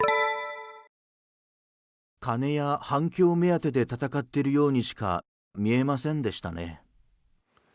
金や反響目当てで闘ってるようにしか見えませんでしたね。